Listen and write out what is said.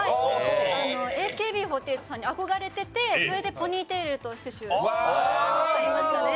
ＡＫＢ４８さんに憧れてて、それで「ポニーテールとシュシュ」。